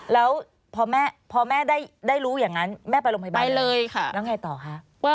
แล้วพอแม่ได้รู้อย่างนั้นแม่ไปโรงพยาบาลแล้ว